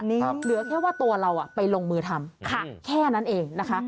เหลือแค่ว่าตัวเราไปลงมือทำแค่นั้นเองนะคะ